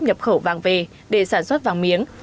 nhập khẩu vàng về để sản xuất vàng miếng